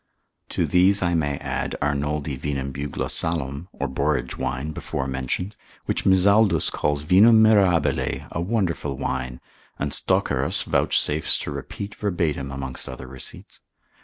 To these I may add Arnoldi vinum Buglossalum, or borage wine before mentioned, which Mizaldus calls vinum mirabile, a wonderful wine, and Stockerus vouchsafes to repeat verbatim amongst other receipts.